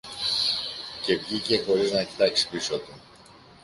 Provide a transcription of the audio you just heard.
Και βγήκε χωρίς να κοιτάξει πίσω του.